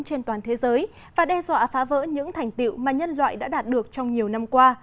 trên toàn thế giới và đe dọa phá vỡ những thành tiệu mà nhân loại đã đạt được trong nhiều năm qua